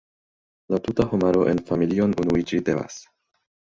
La tuta homaro en familion unuiĝi devas.